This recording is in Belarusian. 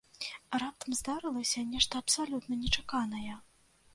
Раптам здарылася нешта абсалютна нечаканае.